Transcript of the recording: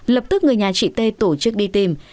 lập tức người nhà chị t tổ chức đi tìm